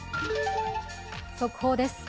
速報です。